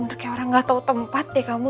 bener bener kayak orang gak tau tempat ya kamu